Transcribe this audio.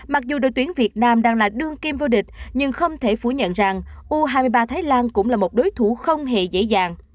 mặc dù đội tuyển việt nam đang là đương kim vô địch nhưng không thể phủ nhận rằng u hai mươi ba thái lan cũng là một đối thủ không hề dễ dàng